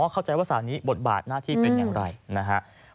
เข้าใจว่าสารนี้บทบาทหน้าที่เป็นอย่างไรนะฮะ